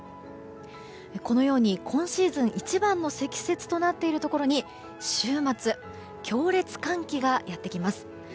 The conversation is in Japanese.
このように今シーズン一番の積雪となっているところに週末、強烈寒気がやってきます。